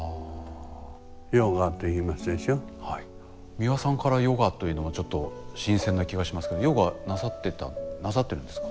美輪さんからヨガというのはちょっと新鮮な気がしますけどヨガなさってたなさってるんですか？